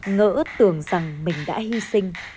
ngỡ ước tưởng rằng mình đã hy sinh